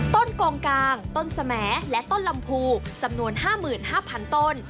กองกลางต้นสมและต้นลำพูจำนวน๕๕๐๐๐ต้น